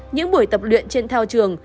những buổi tập luyện trên thao trường